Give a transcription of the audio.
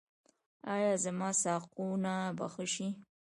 ایا زما ساقونه به ښه شي؟